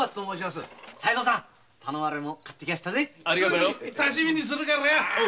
すぐ刺身にするからよ。